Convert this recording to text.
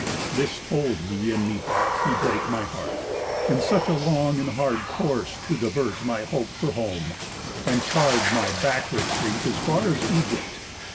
This told he; and, methought, he brake my heart, In such a long and hard course to divert My hope for home, and charge my back retreat As far as Ægypt.